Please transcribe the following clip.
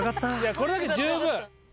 これだけで十分。